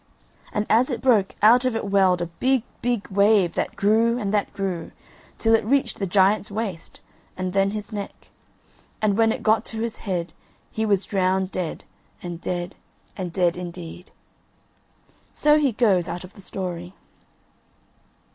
And as it broke out of it welled a big, big wave that grew, and that grew, till it reached the giant's waist and then his neck, and when it got to his head, he was drowned dead, and dead, and dead indeed. So he goes out of the story.